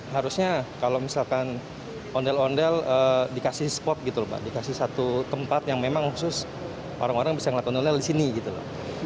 harusnya kalau misalkan ondel ondel dikasih spot gitu lho pak dikasih satu tempat yang memang khusus orang orang bisa ngeliat ondel di sini gitu loh